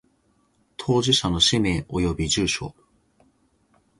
当事者の氏名及び住所